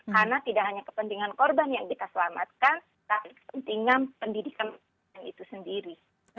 karena tidak hanya kepentingan korban yang dikaselamatkan tapi kepentingan pendidikan itu sendiri